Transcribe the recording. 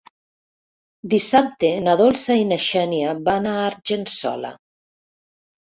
Dissabte na Dolça i na Xènia van a Argençola.